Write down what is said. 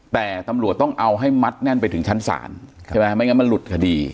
แต่ตำรวจต้องเอาให้มัดแน่นไปถึงชั้นศาลใช่ไหมไม่งั้นมันหลุดคดี